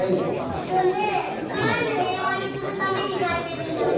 えっとねぇウクライナ平和にするために描いてるんだよ。